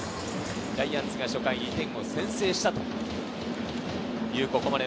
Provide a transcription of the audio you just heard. ジャイアンツが初回２点を先制しました。